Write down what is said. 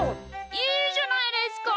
いいじゃないですか。